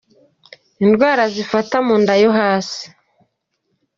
Indwara zifata mu nda yo hasi.